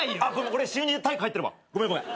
俺週２で体育入ってるわごめんごめん。